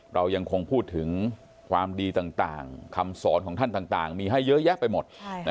เรายังคงพูดถึงความดีต่างคำสอนของท่านต่างมีให้เยอะแยะไปหมด